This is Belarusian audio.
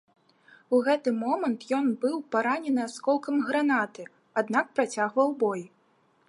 У гэты момант ён быў паранены асколкам гранаты, аднак працягваў бой.